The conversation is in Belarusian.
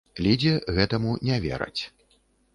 Лідзе гэтаму не вераць.